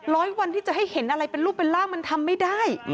ร้อยวันที่จะให้เห็นอะไรเป็นรูปเป็นร่างมันทำไม่ได้